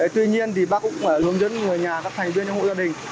tuy nhiên thì bác cũng hướng dẫn người nhà các thành viên trong hội gia đình